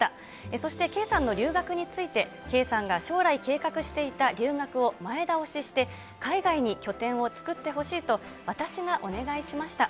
そして圭さんの留学について、圭さんが将来計画していた留学を前倒しして、海外に拠点を作ってほしいと、私がお願いしました。